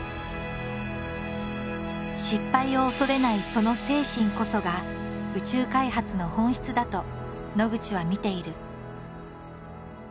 失敗を恐れないその精神こそが宇宙開発の本質だと野口は見ている。